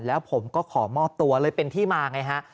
แล้วผมก็ขอมอบตัวเลยเป็นที่มาไงฮะ